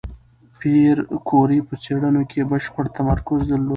پېیر کوري په څېړنو کې بشپړ تمرکز درلود.